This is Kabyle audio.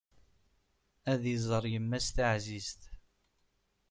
Ad iẓer yemma-s taɛzizt.